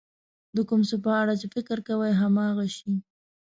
د کوم څه په اړه چې فکر کوئ هماغه شی.